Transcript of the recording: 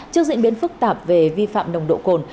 trước diễn biến phức tạp về vi phạm nồng độ cồn